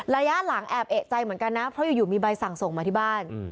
ระยะหลังแอบเอกใจเหมือนกันนะเพราะอยู่มีใบสั่งส่งมาที่บ้าน